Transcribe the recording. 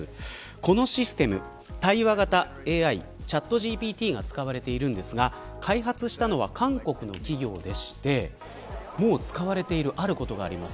このシステム、対話型ＡＩチャットＧＰＴが使われているんですが開発したのは韓国の企業でしてもう使われているあることがあります。